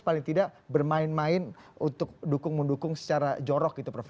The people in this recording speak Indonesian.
paling tidak bermain main untuk dukung mendukung secara jorok gitu prof